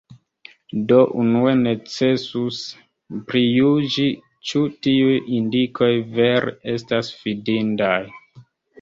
Do, unue necesus prijuĝi, ĉu tiuj indikoj vere estas fidindaj.